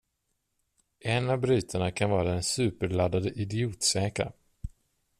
En av brytarna kan vara den superladdade idiotsäkra.